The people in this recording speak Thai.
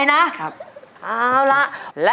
ยิ่งเสียใจ